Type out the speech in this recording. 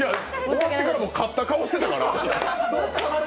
終わってからもう勝った顔してたから。